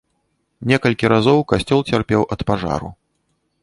Некалькі разоў касцёл цярпеў ад пажару.